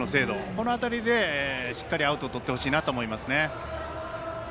この辺りで、しっかりアウトをとってほしいなと思います。